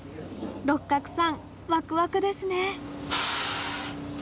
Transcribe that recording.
六角さんワクワクですね。